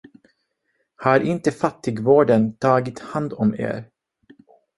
Har inte fattigvården tagit hand om er?